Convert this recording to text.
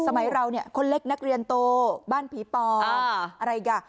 สมัยเราเนี่ยคนเล็กนักเรียนโตบ้านผีปออะไรอ่ะ